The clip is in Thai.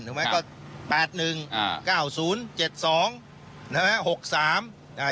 ถูกไหมก็แปดหนึ่งอ่าเก้าศูนย์เจ็ดสองนะฮะหกสามอ่า